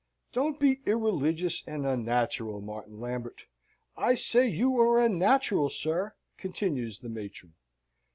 "Don't be irreligious and unnatural, Martin Lambert! I say you are unnatural, sir!" continues the matron.